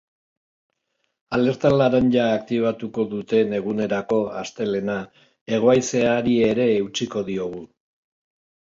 Alerta laranja aktibatuko duten egunerako, astelehena, hego haizeari ere eutsiko diogu.